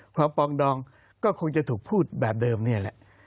ปองดองก็คงจะถูกพูดแบบเดิมนี่แหละ